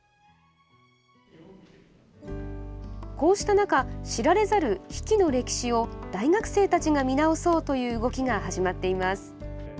こうした中、知られざる比企の歴史を大学生たちが見直そうという動きが始まっています。